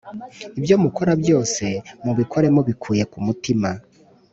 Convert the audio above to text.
Ibyo mukora byose mubikore mubikuye ku mutima